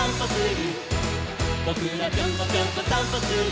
「ぼくらぴょんこぴょんこさんぽする」